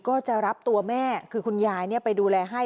ก็จะรับตัวแม่คือคุณยายไปดูแลให้